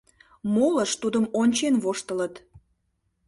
Молышт тудым ончен воштылыт.